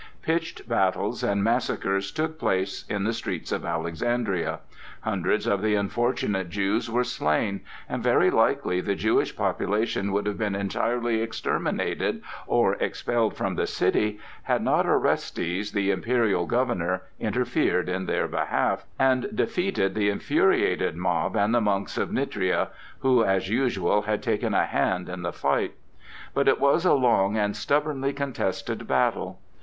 Pitched battles and massacres took place in the streets of Alexandria. Hundreds of the unfortunate Jews were slain, and very likely the Jewish population would have been entirely exterminated or expelled from the city, had not Orestes, the imperial governor, interfered in their behalf, and defeated the infuriated mob and the monks of Nitria, who as usual had taken a hand in the fight. But it was a long and stubbornly contested battle.